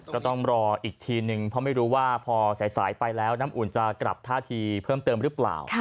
ก็ต้องรออีกทีนึงเพราะไม่รู้ว่าพอสายไปแล้วน้ำอุ่นจะกลับท่าทีเพิ่มเติมหรือเปล่า